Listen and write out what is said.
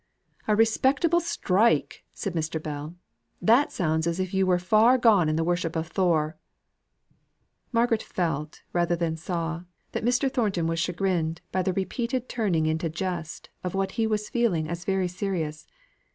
"A respectable strike!" said Mr. Bell. "That sounds as if you were far gone in the worship of Thor." Margaret felt, rather than saw, that Mr. Thornton was chagrined by the repeated turning into jest of what he was feeling as very serious.